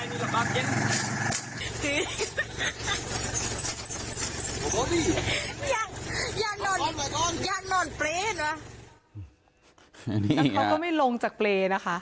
นั่นเขาก็ไม่ลงจากเบรนะคะ